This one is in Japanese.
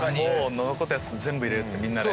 残ったやつ全部入れるってみんなで。